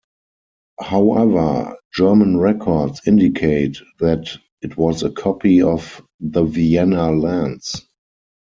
However, German records indicate that it was a copy of the Vienna lance.